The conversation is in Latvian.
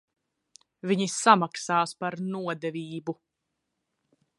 Viņi samaksās par nodevību.